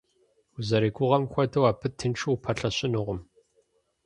Узэригугъэм хуэдэу абы тыншу упэлъэщынукъым.